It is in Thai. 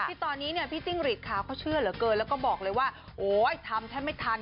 ที่ตอนนี้เนี่ยพี่จิ้งหรีดขาวเขาเชื่อเหลือเกินแล้วก็บอกเลยว่าโอ๊ยทำแทบไม่ทัน